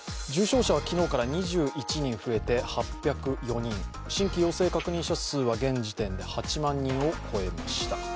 重症者は昨日から２１人増えて８０４人新規陽性確認者数は現時点で８万人を超えました。